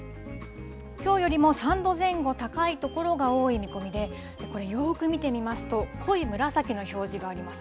きょうよりも３度前後高い所が多い見込みで、これ、よーく見てみますと、濃い紫の表示があります。